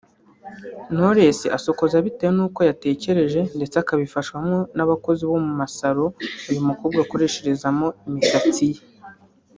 Knowless asokoza bitewe n’uko yatekereje ndetse akabifashwamo n’abakozi bo mu masalo uyu mukobwa akoresherezamo imisatsi ye